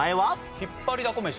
ひっぱりだこ飯。